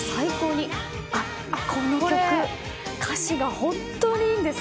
この曲、歌詞が本当にいいんです。